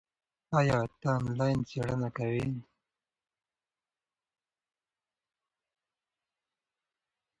ایا ته آنلاین څېړنه کوې؟